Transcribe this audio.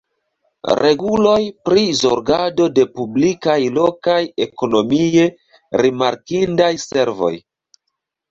Reguloj pri zorgado de publikaj lokaj ekonomie rimarkindaj servoj.